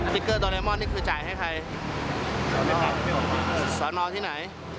สองใบจ่ายมาใคร